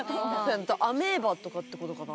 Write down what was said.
アメーバとかってことかな。